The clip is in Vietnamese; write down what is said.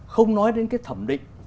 không nói đến cái thẩm định